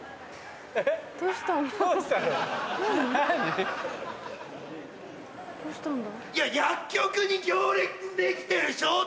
どうしたんだ？